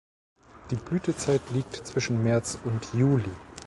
Die Blütezeit liegt zwischen März und Juli.